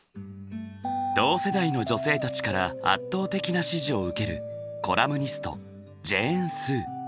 同世代の女性たちから圧倒的な支持を受けるコラムニストジェーン・スー。